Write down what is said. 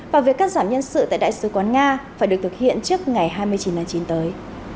và việc cắt giảm nhân sự tại đại sứ quán nga phải được thực hiện trước ngày hai mươi chín tháng chín tới